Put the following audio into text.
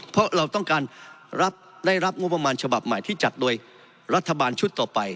เพราะเราต้องการได้รับงบประมาณฉบับใหม่ที่จัดโดยรัฐบาลชุดต่อไป